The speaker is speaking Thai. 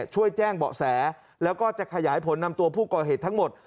ช่วยแจ้งเบาะแสแล้วก็จะขยายผลนำตัวผู้ก่อเหตุทั้งหมด